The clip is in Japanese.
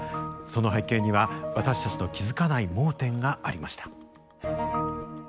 その背景には私たちの気付かない盲点がありました。